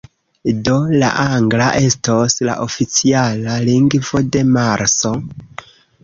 Do, la angla estos la oficiala lingvo de Marso?